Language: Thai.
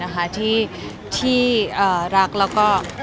ไม่ตอบเลยเลย